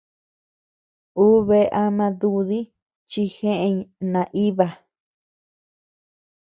Ú bea ama dudi chi jeʼeñ naíba.